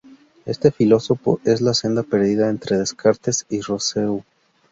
Este filósofo es la senda perdida entre Descartes y Rousseau.